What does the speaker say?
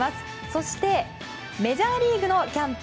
そしてメジャーリーグのキャンプ。